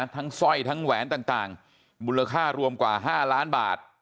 สร้อยทั้งแหวนต่างมูลค่ารวมกว่า๕ล้านบาท